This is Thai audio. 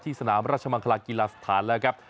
สนามราชมังคลากีฬาสถานแล้วครับ